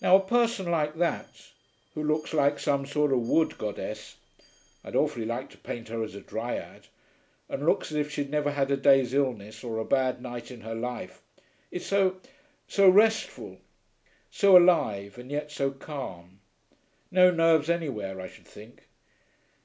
'Now a person like that, who looks like some sort of wood goddess (I'd awfully like to paint her as a dryad) and looks as if she'd never had a day's illness or a bad night in her life, is so so restful. So alive and yet so calm. No nerves anywhere, I should think....